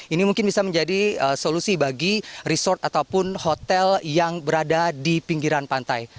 ini mungkin bisa menjadi solusi bagi resort ataupun hotel yang berada di pinggiran pantai